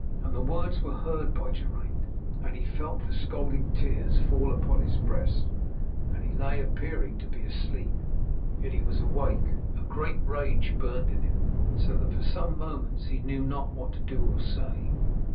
And the words were heard by Geraint, and he felt the scalding tears fall upon his breast, and he lay appearing to be asleep, yet he was awake. A great rage burned in him, so that for some moments he knew not what to do or say.